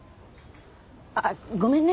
あっごめんね。